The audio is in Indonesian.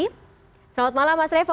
selamat malam mas revo